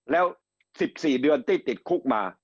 แล้ว๑๔เดือนที่ติดคุกมา